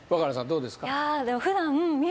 どうですか？